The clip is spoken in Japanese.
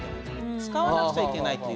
使わなくちゃいけないという。